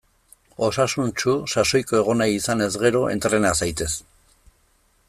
Osasuntsu, sasoiko egon nahi izanez gero; entrena zaitez!